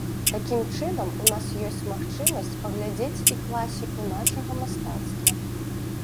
Такім чынам у нас ёсць магчымасць паглядзець і класіку нашага мастацтва.